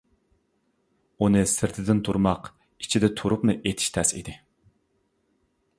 ئۇنى سىرتىدىن تۇرماق ئىچىدە تۇرۇپمۇ ئېتىش تەس ئىدى.